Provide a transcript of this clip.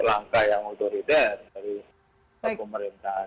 itu langkah yang multiriden dari pemerintahan